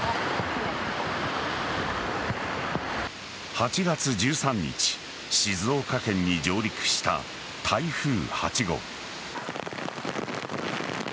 ８月１３日静岡県に上陸した台風８号。